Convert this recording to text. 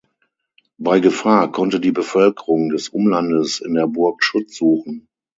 Bei Gefahr konnte die Bevölkerung des Umlandes in der Burg Schutz suchen.